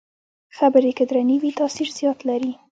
خبرې که درنې وي، تاثیر زیات لري